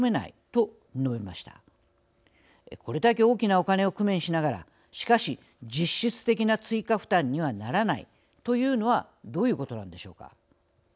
これだけ大きなお金を工面しながらしかし実質的な追加負担にはならないというのはどういうことなんでしょうか。